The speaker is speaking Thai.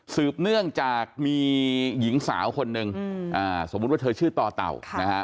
ซื้อปเนื้องจากมีหญิงสาวคนหนึ่งสมมติว่าเธอชื่อต่อต่าว